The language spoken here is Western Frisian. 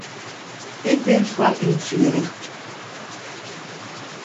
Ik bin foar ynfiering.